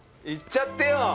いっちゃってよ！